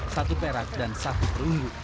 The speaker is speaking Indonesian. satu perak dan satu perunggu